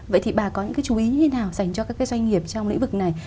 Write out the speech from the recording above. vậy thì bà có những cái chú ý như thế nào dành cho các cái doanh nghiệp trong lĩnh vực này